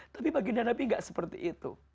tapi baginda nabi gak seperti itu